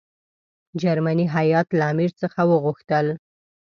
جرمني هیات له امیر څخه وغوښتل.